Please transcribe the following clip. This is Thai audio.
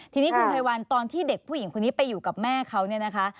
ทีนี้คุณภัยวัลตอนที่เด็กผู้หญิงคนนี้ไปอยู่กับแม่เขาเนี่ยนะคะ